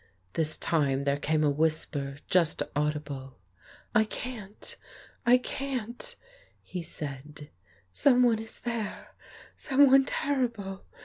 This time there came a whisper just audible. "I can't, I can't," he said. "Someone is there; someone terrible.